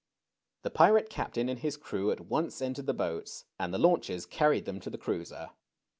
The pirate captain and his crew at once entered the boats, and the launches carried them to the cruiser.